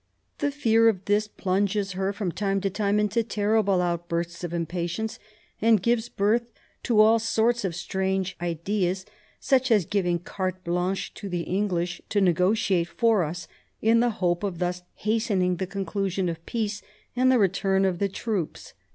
The fear of this plunges her from time to time into terrible out bursts of impatience, and gives birth to all sorts of strange ideas, such as giving carte blanche to the English to negotiate for us, in the hope of thus hastening the conclusion of peace and the return of the troops."